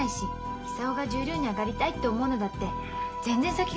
久男が十両に上がりたいって思うのだって全然先が見えない。